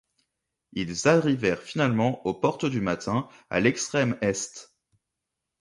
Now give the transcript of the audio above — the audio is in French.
Il arrivèrent finalement aux Portes du Matin, à l'extrême Est.